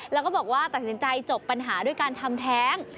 แล้วก็บอกว่าตัดสินใจจบปัญหาด้วยการทำแท้ง